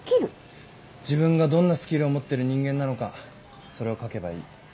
自分がどんなスキルを持ってる人間なのかそれを書けばいい。